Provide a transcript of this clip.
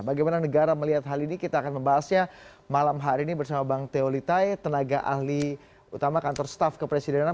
bagaimana negara melihat hal ini kita akan membahasnya malam hari ini bersama bang teo litai tenaga ahli utama kantor staf kepresidenan